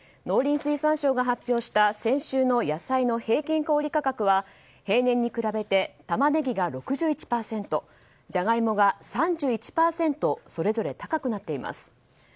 農林水産省が発表した先週の野菜の平均小売価格は平年に比べてタマネギが６１％ジャガイモが３１％それぞれ高くなっています。